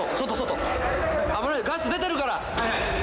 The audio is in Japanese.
危ない、ガス出てるから。